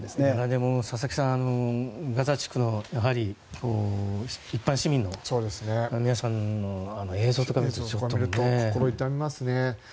でも、佐々木さんガザ地区の一般市民の皆さんの心が痛みますね。